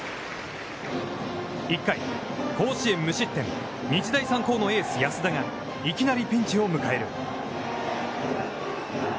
１回、甲子園無失点、日大三高のエース安田がいきなりピンチを迎える。